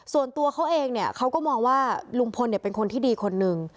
ส่วนตัวเขาเองเนี่ยเขาก็มองว่าลุงพลเป็นคนที่ดีคนหนึ่ง